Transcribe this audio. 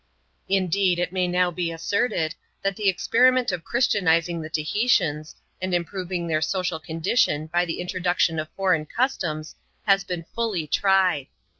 Indeed, it may now be asserted, that the experiment of christianizing the Tahitians, and improving their social condition by the intro duction of foreign customs, has been fully tried.